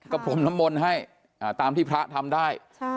พรมน้ำมนต์ให้ตามที่พระทำได้